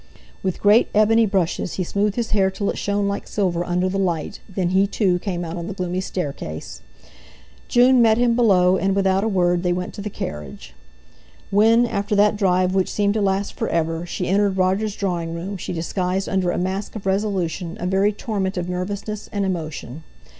With great ebony brushes he smoothed his hair till it shone like silver under the light; then he, too, came out on the gloomy staircase. June met him below, and, without a word, they went to the carriage. When, after that drive which seemed to last for ever, she entered Roger's drawing room, she disguised under a mask of resolution a very torment of nervousness and emotion.